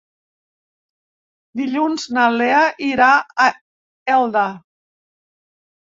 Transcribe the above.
Dilluns na Lea irà a Elda.